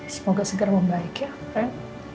semoga segera membaik ya ren